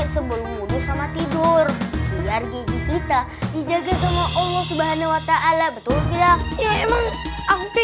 sebelum tidur kita dijaga sama allah subhanahuwata'ala betul ya emang aku